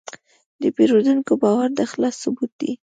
د پیرودونکي باور د اخلاص ثبوت دی.